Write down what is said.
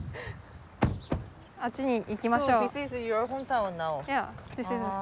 あっちに行きましょう。